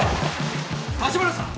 立花さん！？